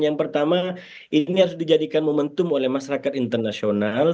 yang pertama ini harus dijadikan momentum oleh masyarakat internasional